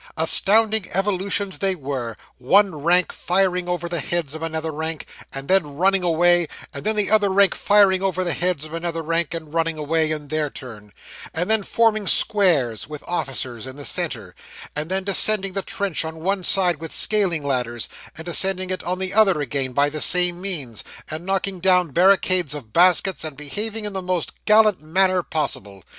Astounding evolutions they were, one rank firing over the heads of another rank, and then running away; and then the other rank firing over the heads of another rank, and running away in their turn; and then forming squares, with officers in the centre; and then descending the trench on one side with scaling ladders, and ascending it on the other again by the same means; and knocking down barricades of baskets, and behaving in the most gallant manner possible.